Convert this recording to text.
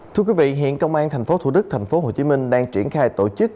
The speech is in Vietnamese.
thưa quý vị hiện công an tp thủ đức tp hồ chí minh đang triển khai tổ chức